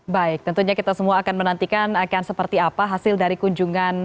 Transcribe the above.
baik tentunya kita semua akan menantikan akan seperti apa hasil dari kunjungan